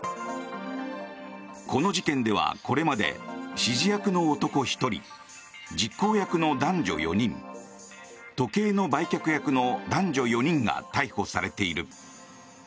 この事件ではこれまで指示役の男１人実行役の男女４人時計の売却役の男女４人が逮捕されている。